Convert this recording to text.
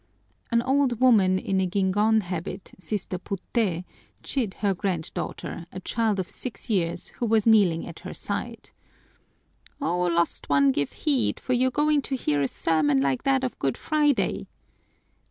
An old woman in a guingón habit, Sister Puté, chid her granddaughter, a child of six years, who was kneeling at her side, "O lost one, give heed, for you're going to hear a sermon like that of Good Friday!"